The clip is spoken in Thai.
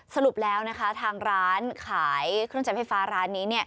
สรุปแล้วนะคะทางร้านขายเครื่องใช้ไฟฟ้าร้านนี้